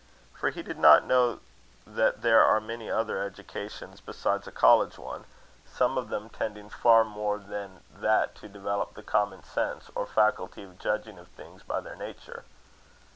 For he did not know that there are many other educations besides a college one, some of them tending far more than that to develope the common sense, or faculty of judging of things by their nature.